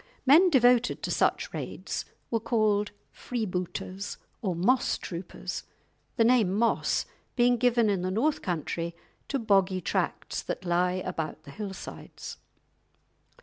Men devoted to such raids were called "Freebooters" or "Mosstroopers," the name "Moss" being given in the North Country to boggy tracts that lie about the hill sides.